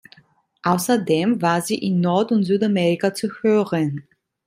Außerdem war sie in Nord- und Südamerika zu hören.